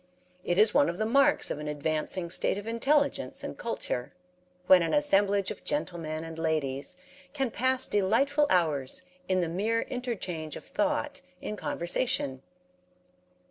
It is one of the marks of an advancing state of intelligence and culture, when an assemblage of gentlemen and ladies can pass delightful hours in the mere interchange of thought in conversation.